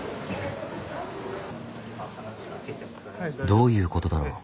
どういうことだろう？